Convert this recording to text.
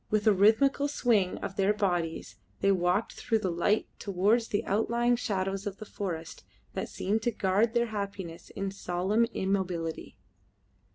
With a rhythmical swing of their bodies they walked through the light towards the outlying shadows of the forests that seemed to guard their happiness in solemn immobility.